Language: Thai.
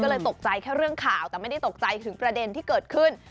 ก็เลยตกใจแค่เรื่องข่าวแต่ไม่ได้ตกใจถึงประเด็นที่เกิดขึ้น